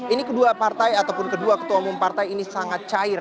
ini kedua partai ataupun kedua ketua umum partai ini sangat cair